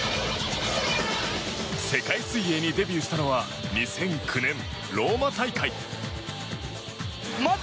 世界水泳にデビューしたのは２００９年、ローマ大会。